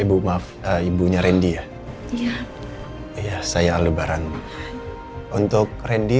ibu maaf ibunya randy ya iya saya lebaran untuk randy